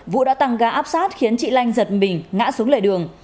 vụ đã tăng gá áp sát khiến chị lanh giật mình ngã xuống lề đường